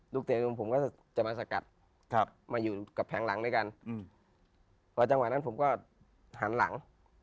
เตียงผมก็จะมาสกัดมาอยู่กับแผงหลังด้วยกันพอจังหวะนั้นผมก็หันหลัง